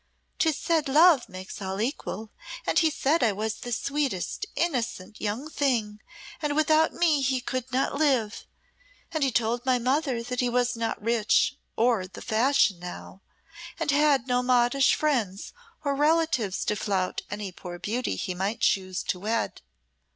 'Tis said love makes all equal; and he said I was the sweetest, innocent young thing, and without me he could not live. And he told my mother that he was not rich or the fashion now, and had no modish friends or relations to flout any poor beauty he might choose to wed."